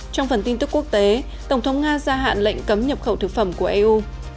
trong phần tin tức quốc tế tổng thống nga gia hạn lệnh cấm nhập khẩu thực phẩm của eu